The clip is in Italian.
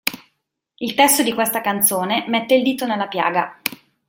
Il testo di questa canzone mette il dito nella piaga.